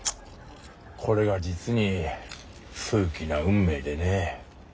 これが実に数奇な運命でね。